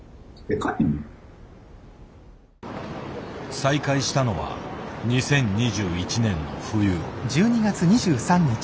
再会したのは２０２１年の冬。